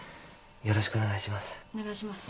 よろしくお願いします。